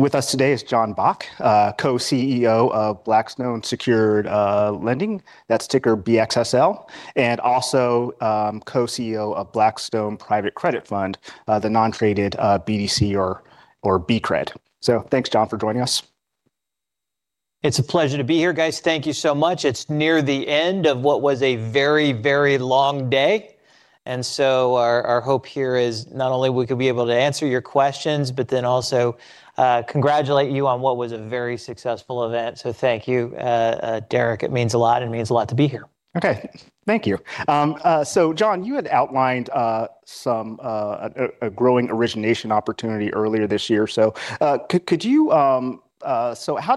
With us today is Jonathan Bock, Co-CEO of Blackstone Secured Lending, that's ticker BXSL, and also Co-CEO of Blackstone Private Credit Fund, the non-traded BDC or BCRED. Thanks, Jonathan, for joining us. It's a pleasure to be here, guys. Thank you so much. It's near the end of what was a very, very long day, and so our hope here is not only we could be able to answer your questions, but then also congratulate you on what was a very successful event. Thank you, Derek. It means a lot, and it means a lot to be here. Okay, thank you. So Jon, you had outlined some growing origination opportunity earlier this year. So how do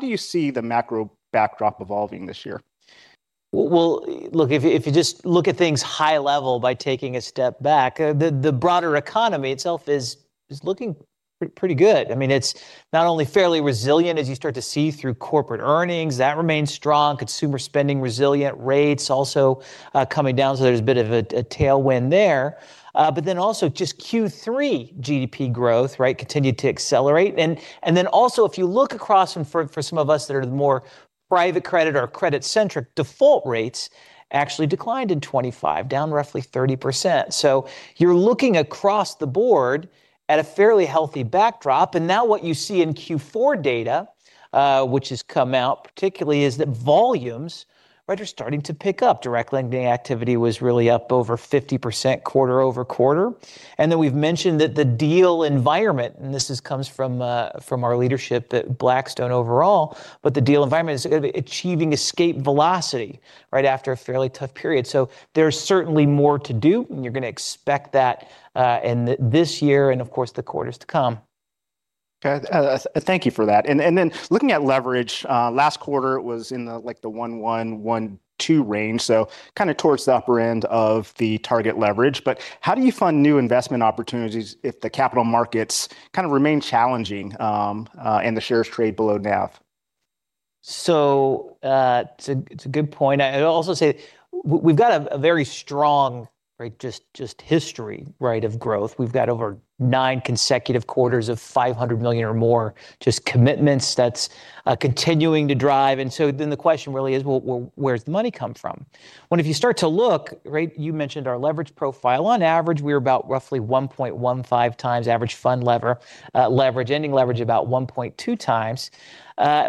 you see the macro backdrop evolving this year? Well, look, if you just look at things high level by taking a step back, the broader economy itself is looking pretty good. I mean, it's not only fairly resilient, as you start to see through corporate earnings, that remains strong, consumer spending resilient, rates also coming down, so there's a bit of a tailwind there. But then also just Q3 GDP growth continued to accelerate. And then also, if you look across from some of us that are the more private credit or credit-centric, default rates actually declined in 2025, down roughly 30%. So you're looking across the board at a fairly healthy backdrop. And now what you see in Q4 data, which has come out particularly, is that volumes are starting to pick up. Direct lending activity was really up over 50% quarter-over-quarter. Then we've mentioned that the deal environment, and this comes from our leadership at Blackstone overall, but the deal environment is achieving escape velocity right after a fairly tough period. There's certainly more to do, and you're going to expect that this year and, of course, the quarters to come. Okay, thank you for that. Then looking at leverage, last quarter it was in the 11, 12 range, so kind of towards the upper end of the target leverage. But how do you fund new investment opportunities if the capital markets kind of remain challenging and the shares trade below NAV? So it's a good point. I'd also say we've got a very strong just history of growth. We've got over nine consecutive quarters of $500 million or more just commitments that's continuing to drive. And so then the question really is, where's the money come from? Well, if you start to look, you mentioned our leverage profile. On average, we're about roughly 1.15x average fund leverage, ending leverage about 1.2x,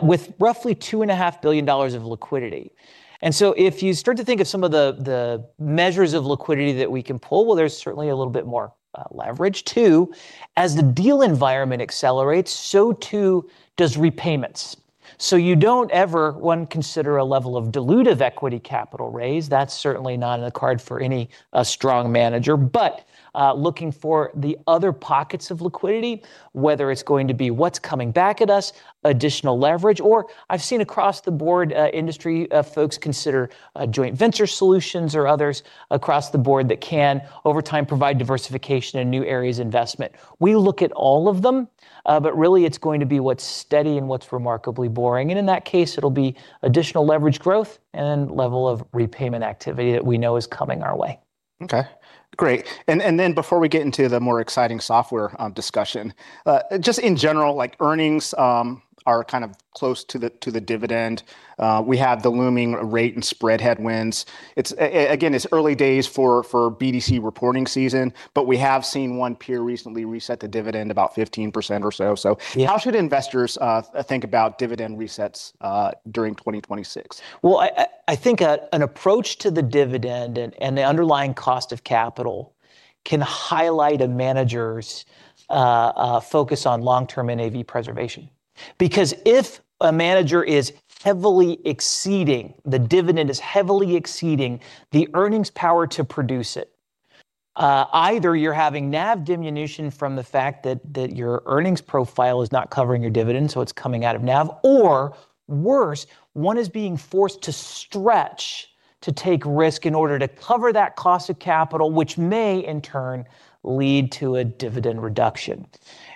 with roughly $2.5 billion of liquidity. And so if you start to think of some of the measures of liquidity that we can pull, well, there's certainly a little bit more leverage, too. As the deal environment accelerates, so too does repayments. So you don't ever, one, consider a level of dilutive equity capital raise. That's certainly not in the cards for any strong manager. But looking for the other pockets of liquidity, whether it's going to be what's coming back at us, additional leverage, or I've seen across the board industry folks consider joint venture solutions or others across the board that can, over time, provide diversification in new areas of investment. We look at all of them, but really it's going to be what's steady and what's remarkably boring. And in that case, it'll be additional leverage growth and then level of repayment activity that we know is coming our way. Okay, great. And then before we get into the more exciting software discussion, just in general, earnings are kind of close to the dividend. We have the looming rate and spread headwinds. Again, it's early days for BDC reporting season, but we have seen one peer recently reset the dividend about 15% or so. So how should investors think about dividend resets during 2026? Well, I think an approach to the dividend and the underlying cost of capital can highlight a manager's focus on long-term NAV preservation. Because if a manager is heavily exceeding the dividend is heavily exceeding the earnings power to produce it, either you're having NAV diminution from the fact that your earnings profile is not covering your dividend, so it's coming out of NAV, or worse, one is being forced to stretch to take risk in order to cover that cost of capital, which may in turn lead to a dividend reduction.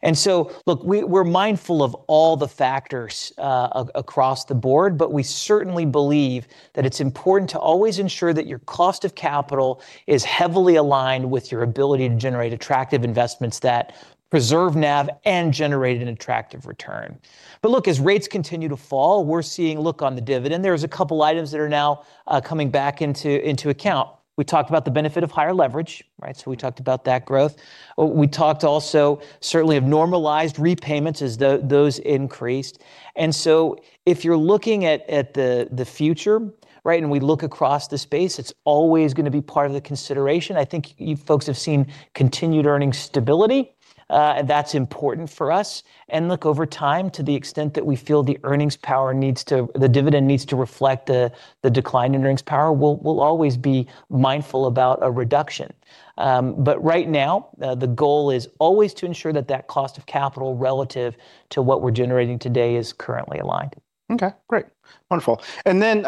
And so look, we're mindful of all the factors across the board, but we certainly believe that it's important to always ensure that your cost of capital is heavily aligned with your ability to generate attractive investments that preserve NAV and generate an attractive return. But look, as rates continue to fall, we're seeing look on the dividend, there's a couple items that are now coming back into account. We talked about the benefit of higher leverage, so we talked about that growth. We talked also certainly of normalized repayments as those increased. And so if you're looking at the future and we look across the space, it's always going to be part of the consideration. I think you folks have seen continued earnings stability, and that's important for us. And look, over time, to the extent that we feel the earnings power needs to the dividend needs to reflect the decline in earnings power, we'll always be mindful about a reduction. But right now, the goal is always to ensure that that cost of capital relative to what we're generating today is currently aligned. Okay, great, wonderful. And then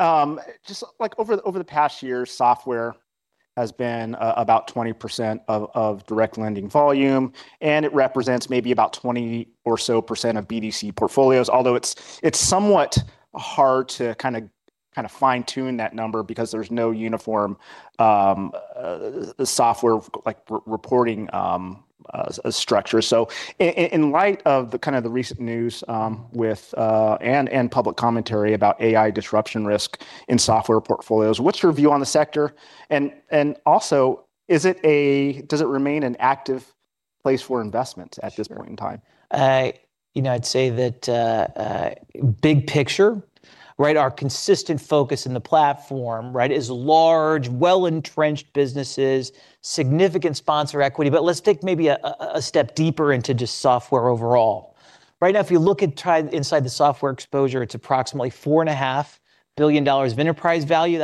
just over the past year, software has been about 20% of direct lending volume, and it represents maybe about 20% or so percent of BDC portfolios, although it's somewhat hard to kind of fine-tune that number because there's no uniform software reporting structure. So in light of the kind of recent news and public commentary about AI disruption risk in software portfolios, what's your view on the sector? And also, does it remain an active place for investment at this point in time? You know, I'd say that big picture, our consistent focus in the platform is large, well-entrenched businesses, significant sponsor equity. But let's take maybe a step deeper into just software overall. Right now, if you look inside the software exposure, it's approximately $4.5 billion of enterprise value.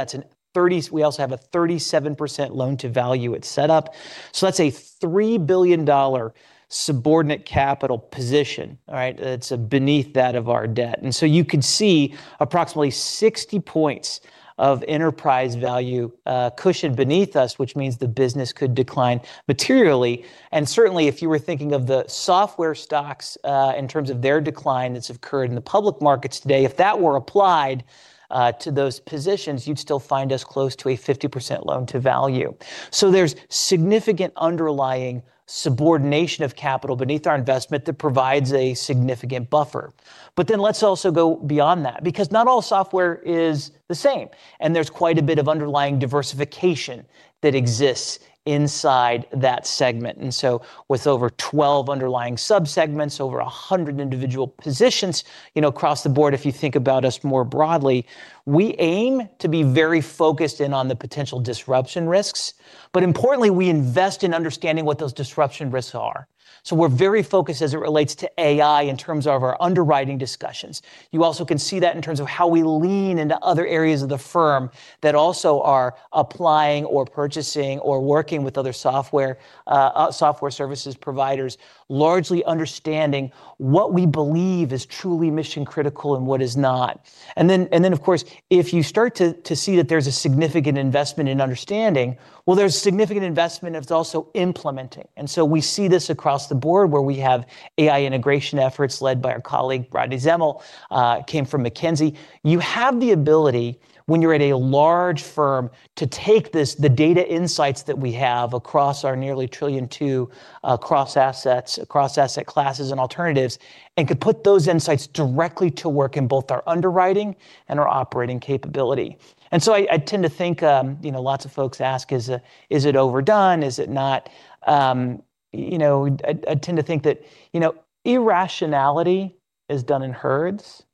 We also have a 37% loan-to-value at setup. So that's a $3 billion subordinate capital position. It's beneath that of our debt. And so you could see approximately 60 points of enterprise value cushioned beneath us, which means the business could decline materially. And certainly, if you were thinking of the software stocks in terms of their decline that's occurred in the public markets today, if that were applied to those positions, you'd still find us close to a 50% loan-to-value. So there's significant underlying subordination of capital beneath our investment that provides a significant buffer. But then let's also go beyond that, because not all software is the same, and there's quite a bit of underlying diversification that exists inside that segment. And so with over 12 underlying subsegments, over 100 individual positions across the board, if you think about us more broadly, we aim to be very focused in on the potential disruption risks. But importantly, we invest in understanding what those disruption risks are. So we're very focused as it relates to AI in terms of our underwriting discussions. You also can see that in terms of how we lean into other areas of the firm that also are applying or purchasing or working with other software services providers, largely understanding what we believe is truly mission-critical and what is not. And then, of course, if you start to see that there's a significant investment in understanding, well, there's significant investment that's also implementing. And so we see this across the board where we have AI integration efforts led by our colleague Rodney Zemmel, came from McKinsey. You have the ability, when you're at a large firm, to take the data insights that we have across our nearly $1.2 trillion cross-asset classes and alternatives, and could put those insights directly to work in both our underwriting and our operating capability. And so I tend to think lots of folks ask, is it overdone? Is it not? I tend to think that irrationality is done in herds.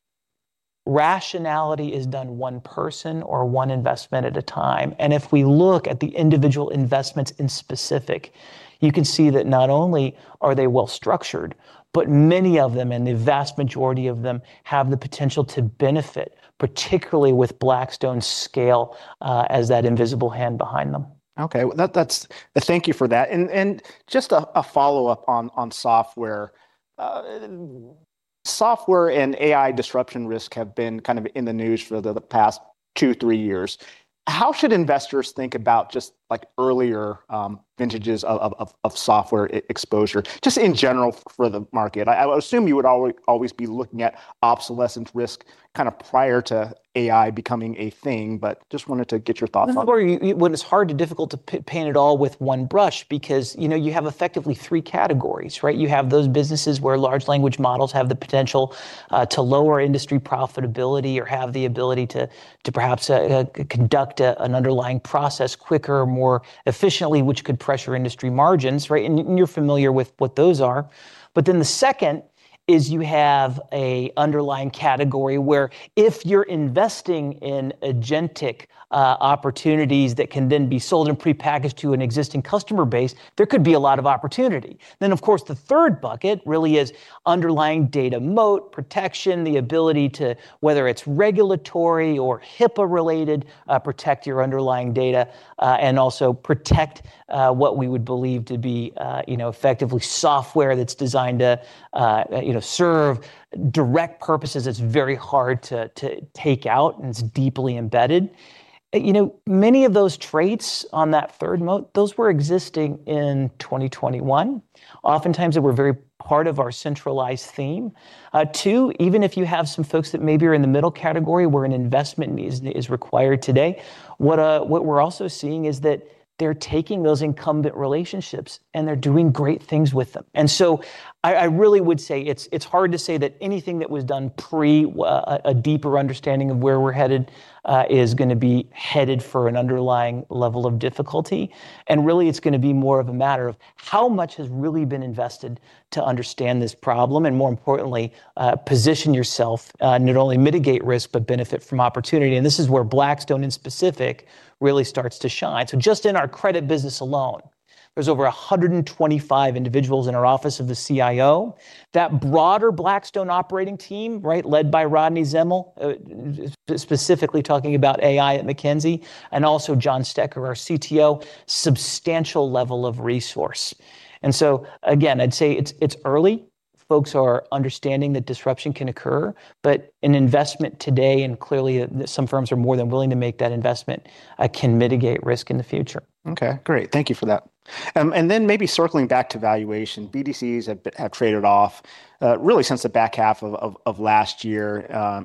Rationality is done one person or one investment at a time. If we look at the individual investments specifically, you can see that not only are they well-structured, but many of them, and the vast majority of them, have the potential to benefit, particularly with Blackstone's scale as that invisible hand behind them. Okay, thank you for that. Just a follow-up on software. Software and AI disruption risk have been kind of in the news for the past two to three years. How should investors think about just earlier vintages of software exposure, just in general for the market? I assume you would always be looking at obsolescence risk kind of prior to AI becoming a thing, but just wanted to get your thoughts on that. This is where it's hard and difficult to paint it all with one brush because you have effectively three categories. You have those businesses where large language models have the potential to lower industry profitability or have the ability to perhaps conduct an underlying process quicker or more efficiently, which could pressure industry margins. You're familiar with what those are. Then the second is you have an underlying category where if you're investing in agentic opportunities that can then be sold and prepackaged to an existing customer base, there could be a lot of opportunity. Then, of course, the third bucket really is underlying data moat, protection, the ability to, whether it's regulatory or HIPAA-related, protect your underlying data and also protect what we would believe to be effectively software that's designed to serve direct purposes that's very hard to take out and it's deeply embedded. Many of those traits on that third moat, those were existing in 2021. Oftentimes, they were very part of our centralized theme. Two, even if you have some folks that maybe are in the middle category where an investment is required today, what we're also seeing is that they're taking those incumbent relationships and they're doing great things with them. And so I really would say it's hard to say that anything that was done pre a deeper understanding of where we're headed is going to be headed for an underlying level of difficulty. And really, it's going to be more of a matter of how much has really been invested to understand this problem and, more importantly, position yourself, not only mitigate risk but benefit from opportunity. And this is where Blackstone in specific really starts to shine. So, just in our credit business alone, there's over 125 individuals in our Office of the CIO. That broader Blackstone operating team, led by Rodney Zemmel, specifically talking about AI at McKinsey, and also John Stecher, our CTO, substantial level of resource. And so again, I'd say it's early. Folks are understanding that disruption can occur, but an investment today, and clearly some firms are more than willing to make that investment, can mitigate risk in the future. Okay, great, thank you for that. Then maybe circling back to valuation, BDCs have traded off really since the back half of last year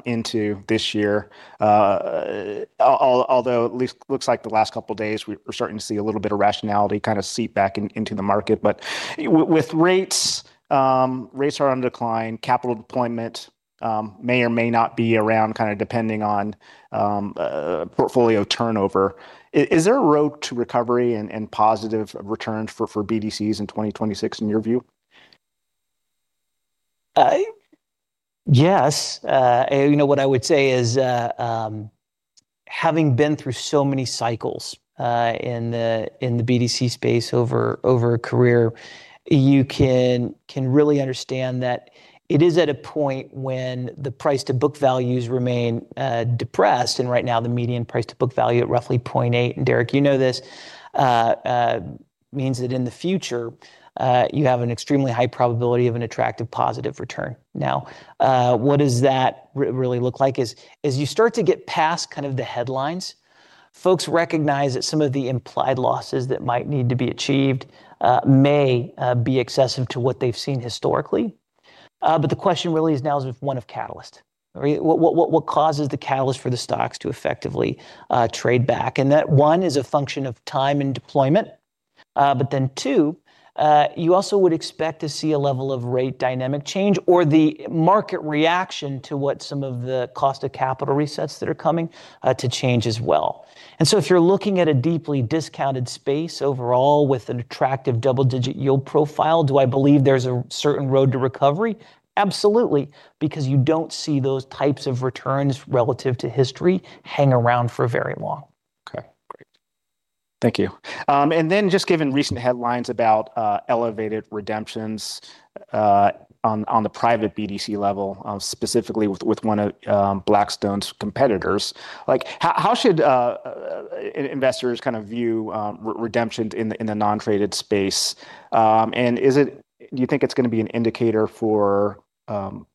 into this year, although at least it looks like the last couple of days, we're starting to see a little bit of rationality kind of seep back into the market. But with rates, rates are on decline. Capital deployment may or may not be around kind of depending on portfolio turnover. Is there a road to recovery and positive returns for BDCs in 2026 in your view? Yes. You know what I would say is having been through so many cycles in the BDC space over a career, you can really understand that it is at a point when the price-to-book values remain depressed. Right now, the median price-to-book value at roughly 0.8, and Derek, you know this, means that in the future, you have an extremely high probability of an attractive positive return. Now, what does that really look like? As you start to get past kind of the headlines, folks recognize that some of the implied losses that might need to be achieved may be excessive to what they've seen historically. But the question really is now is one of catalyst. What causes the catalyst for the stocks to effectively trade back? And that, one, is a function of time and deployment. But then, two, you also would expect to see a level of rate dynamic change or the market reaction to what some of the cost-to-capital resets that are coming to change as well. And so if you're looking at a deeply discounted space overall with an attractive double-digit yield profile, do I believe there's a certain road to recovery? Absolutely, because you don't see those types of returns relative to history hang around for very long. Okay, great, thank you. And then just given recent headlines about elevated redemptions on the private BDC level, specifically with one of Blackstone's competitors, how should investors kind of view redemptions in the non-traded space? And do you think it's going to be an indicator for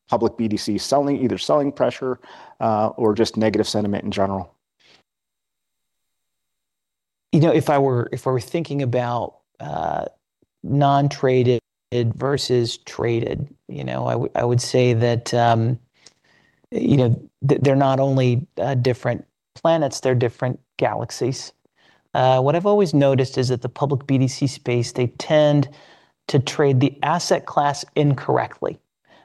public BDC either selling pressure or just negative sentiment in general? You know, if I were thinking about non-traded versus traded, you know I would say that they're not only different planets, they're different galaxies. What I've always noticed is that the public BDC space, they tend to trade the asset class incorrectly,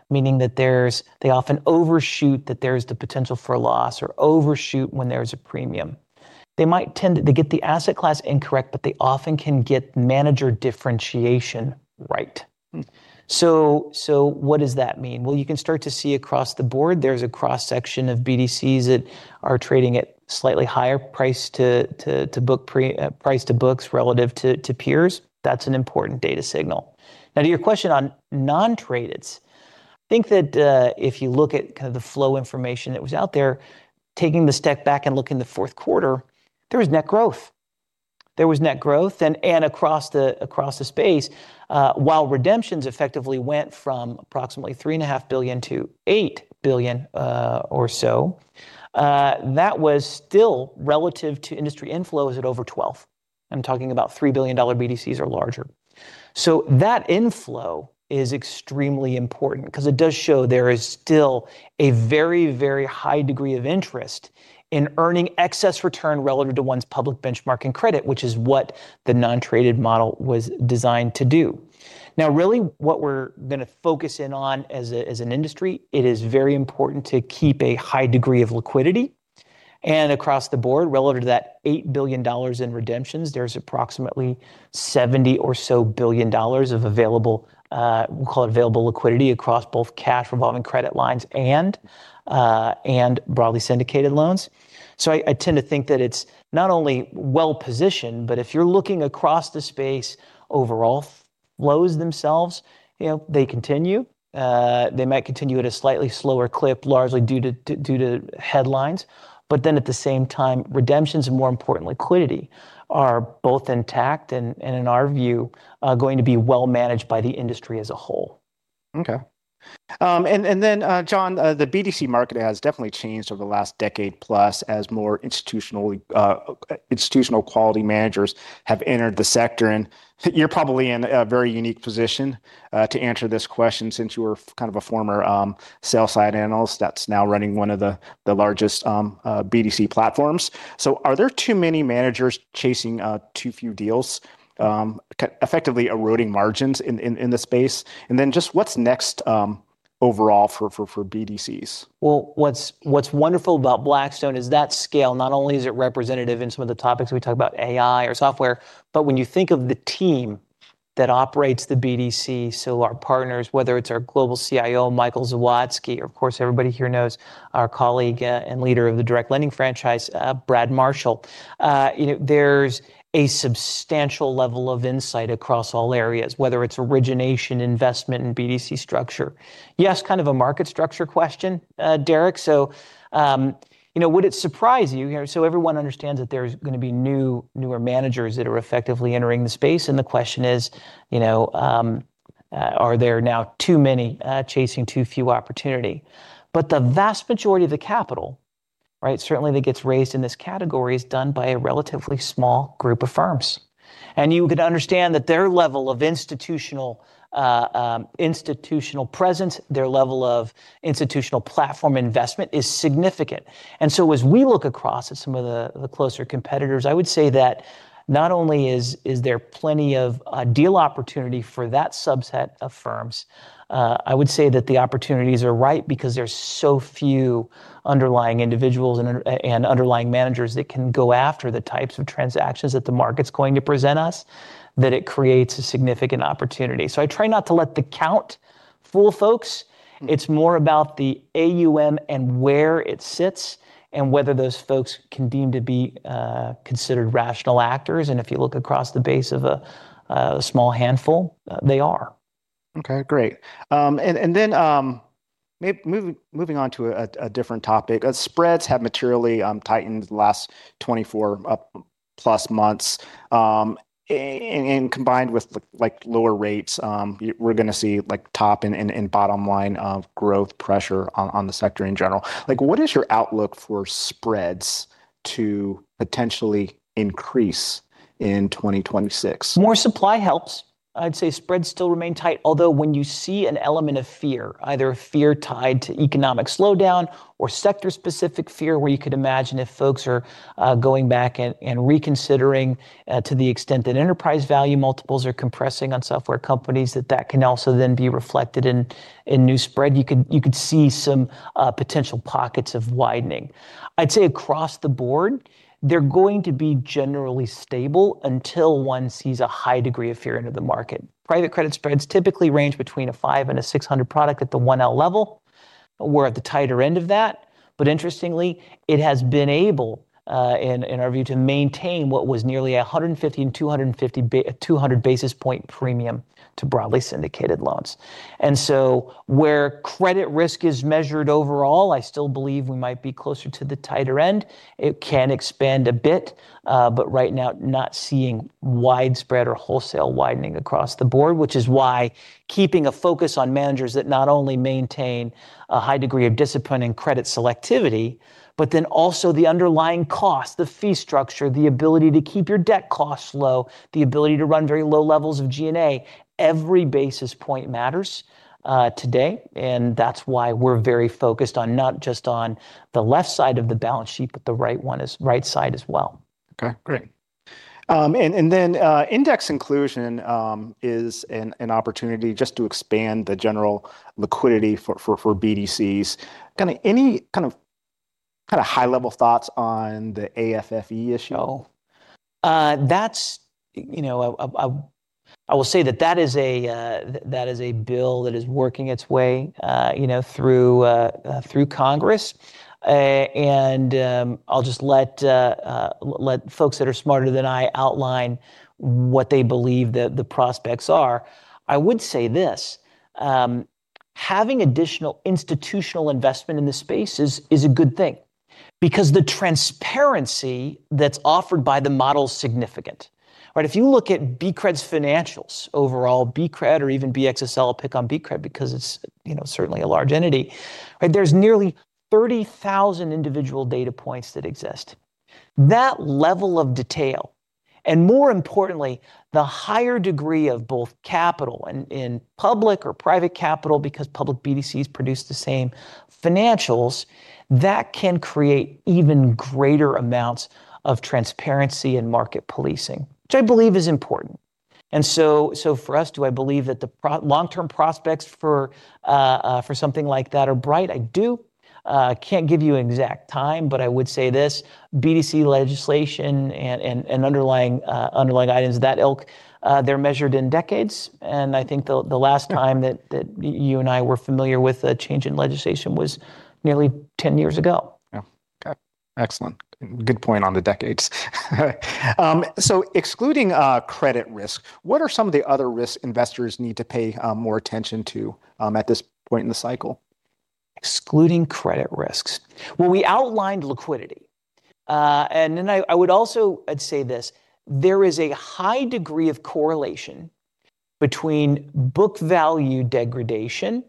meaning that they often overshoot that there's the potential for loss or overshoot when there's a premium. They might tend to get the asset class incorrect, but they often can get manager differentiation right. So what does that mean? Well, you can start to see across the board, there's a cross-section of BDCs that are trading at slightly higher price-to-books relative to peers. That's an important data signal. Now, to your question on non-tradeds, I think that if you look at kind of the flow information that was out there, taking the step back and looking the fourth quarter, there was net growth. There was net growth. Across the space, while redemptions effectively went from approximately $3.5 billion-$8 billion or so, that was still relative to industry inflow as at over $12 billion. I'm talking about $3 billion BDCs or larger. That inflow is extremely important because it does show there is still a very, very high degree of interest in earning excess return relative to one's public benchmarking credit, which is what the non-traded model was designed to do. Now, really, what we're going to focus in on as an industry, it is very important to keep a high degree of liquidity. Across the board, relative to that $8 billion in redemptions, there's approximately $70 billion or so of available, we'll call it available liquidity across both cash, revolving credit lines and broadly syndicated loans. So I tend to think that it's not only well-positioned, but if you're looking across the space, overall flows themselves, they continue. They might continue at a slightly slower clip, largely due to headlines. But then at the same time, redemptions and more importantly, liquidity are both intact and, in our view, going to be well-managed by the industry as a whole. Okay. And then, Jon, the BDC market has definitely changed over the last decade plus as more institutional quality managers have entered the sector. And you're probably in a very unique position to answer this question since you were kind of a former sell-side analyst that's now running one of the largest BDC platforms. So are there too many managers chasing too few deals, effectively eroding margins in the space? And then just what's next overall for BDCs? Well, what's wonderful about Blackstone is that scale. Not only is it representative in some of the topics we talk about, AI or software, but when you think of the team that operates the BDC, so our partners, whether it's our global CIO, Michael Zawadzki, or of course, everybody here knows our colleague and leader of the direct lending franchise, Brad Marshall, there's a substantial level of insight across all areas, whether it's origination, investment, and BDC structure. Yes, kind of a market structure question, Derek. So would it surprise you? So everyone understands that there's going to be newer managers that are effectively entering the space. And the question is, are there now too many chasing too few opportunity? But the vast majority of the capital, certainly that gets raised in this category, is done by a relatively small group of firms. You can understand that their level of institutional presence, their level of institutional platform investment is significant. So as we look across at some of the closer competitors, I would say that not only is there plenty of deal opportunity for that subset of firms, I would say that the opportunities are right because there's so few underlying individuals and underlying managers that can go after the types of transactions that the market's going to present us that it creates a significant opportunity. So I try not to let the count fool folks. It's more about the AUM and where it sits and whether those folks can deem to be considered rational actors. If you look across the base of a small handful, they are. Okay, great. And then moving on to a different topic, spreads have materially tightened the last 24+ months. And combined with lower rates, we're going to see top and bottom line growth pressure on the sector in general. What is your outlook for spreads to potentially increase in 2026? More supply helps. I'd say spreads still remain tight, although when you see an element of fear, either fear tied to economic slowdown or sector-specific fear where you could imagine if folks are going back and reconsidering to the extent that enterprise value multiples are compressing on software companies, that that can also then be reflected in new spread. You could see some potential pockets of widening. I'd say across the board, they're going to be generally stable until one sees a high degree of fear into the market. Private credit spreads typically range between a 500 and a 600 point at the 1L level. We're at the tighter end of that. But interestingly, it has been able, in our view, to maintain what was nearly 150-250 basis point premium to broadly syndicated loans. So where credit risk is measured overall, I still believe we might be closer to the tighter end. It can expand a bit, but right now, not seeing widespread or wholesale widening across the board, which is why keeping a focus on managers that not only maintain a high degree of discipline and credit selectivity, but then also the underlying cost, the fee structure, the ability to keep your debt costs low, the ability to run very low levels of G&A, every basis point matters today. That's why we're very focused on not just on the left side of the balance sheet, but the right side as well. Okay, great. And then index inclusion is an opportunity just to expand the general liquidity for BDCs. Kind of any kind of high-level thoughts on the AFFE issue? Oh, that's, you know, I will say that that is a bill that is working its way through Congress. And I'll just let folks that are smarter than I outline what they believe the prospects are. I would say this, having additional institutional investment in the space is a good thing because the transparency that's offered by the model is significant. If you look at BCRED's financials overall, BCRED or even BXSL, I'll pick on BCRED because it's certainly a large entity, there's nearly 30,000 individual data points that exist. That level of detail and, more importantly, the higher degree of both capital in public or private capital, because public BDCs produce the same financials, that can create even greater amounts of transparency and market policing, which I believe is important. And so for us, do I believe that the long-term prospects for something like that are bright? I do. I can't give you an exact time, but I would say this: BDC legislation and underlying items that ILC, they're measured in decades. I think the last time that you and I were familiar with a change in legislation was nearly 10 years ago. Yeah, okay, excellent. Good point on the decades. So excluding credit risk, what are some of the other risks investors need to pay more attention to at this point in the cycle? Excluding credit risks, well, we outlined liquidity. Then I would also say this, there is a high degree of correlation between book value degradation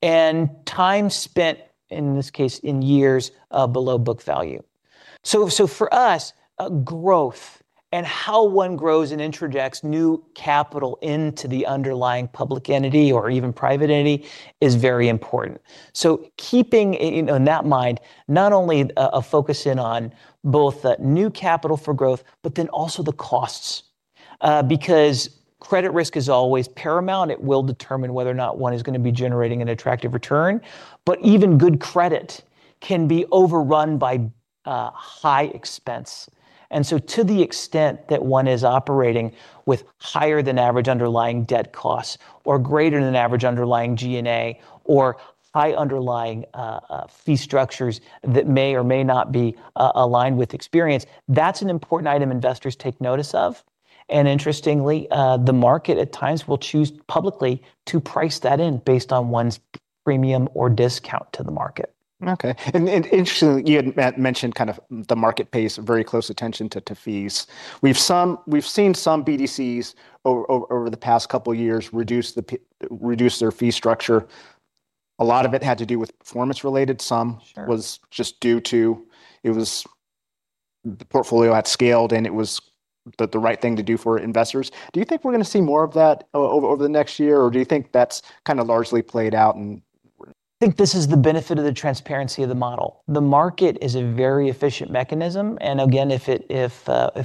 and time spent, in this case, in years below book value. So for us, growth and how one grows and introduces new capital into the underlying public entity or even private entity is very important. So keeping that in mind, not only a focus in on both new capital for growth, but then also the costs, because credit risk is always paramount. It will determine whether or not one is going to be generating an attractive return. But even good credit can be overrun by high expense. And so to the extent that one is operating with higher than average underlying debt costs or greater than average underlying G&A or high underlying fee structures that may or may not be aligned with experience, that's an important item investors take notice of. And interestingly, the market at times will choose publicly to price that in based on one's premium or discount to the market. Okay. And interestingly, you had mentioned kind of the market pays very close attention to fees. We've seen some BDCs over the past couple of years reduce their fee structure. A lot of it had to do with performance-related. Some was just due to it was the portfolio had scaled and it was the right thing to do for investors. Do you think we're going to see more of that over the next year, or do you think that's kind of largely played out and. I think this is the benefit of the transparency of the model. The market is a very efficient mechanism. Again, if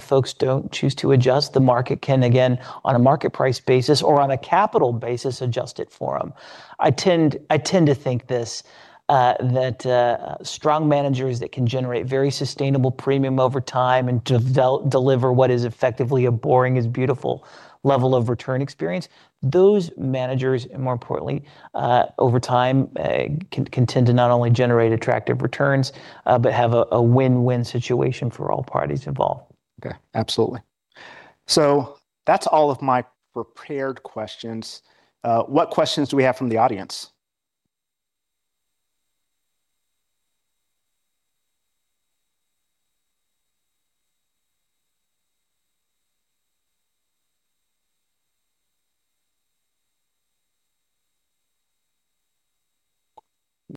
folks don't choose to adjust, the market can, again, on a market price basis or on a capital basis, adjust it for them. I tend to think this, that strong managers that can generate very sustainable premium over time and deliver what is effectively a boring as beautiful level of return experience, those managers, and more importantly, over time, can tend to not only generate attractive returns, but have a win-win situation for all parties involved. Okay, absolutely. So that's all of my prepared questions. What questions do we have from the audience?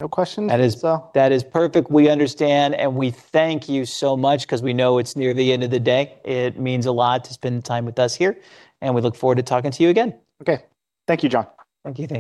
No questions? That is perfect. We understand. We thank you so much because we know it's near the end of the day. It means a lot to spend time with us here. We look forward to talking to you again. Okay. Thank you, Jon. Thank you, Derek.